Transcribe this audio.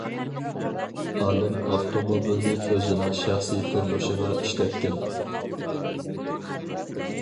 ئالىم ئاپتوموبىلنى ئۆزىنىڭ شەخسىي تۇرمۇشىغا ئىشلەتكەن.